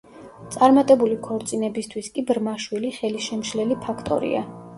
წარმატებული ქორწინებისთვის კი ბრმა შვილი ხელისშემშლელი ფაქტორია.